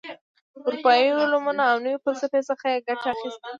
اروپايي علومو او نوي فسلفې څخه یې ګټه اخیستې.